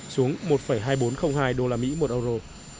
xuống một hai nghìn bốn trăm linh hai đô la mỹ một euro